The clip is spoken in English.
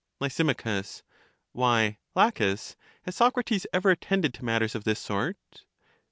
Lys, Why, Laches, has Socrates ever attended to matters of this sort?